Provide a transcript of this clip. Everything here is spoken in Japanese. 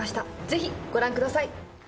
ぜひご覧ください。